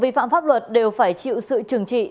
phạm pháp luật đều phải chịu sự trừng trị